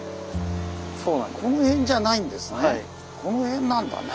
この辺じゃないんですね。